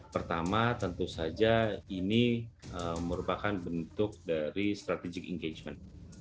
pertama tentu saja ini merupakan bentuk dari strategic engagement